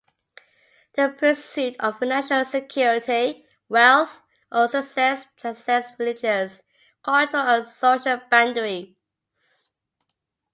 The pursuit of financial security, wealth, or success transcends religious, cultural, and social boundaries.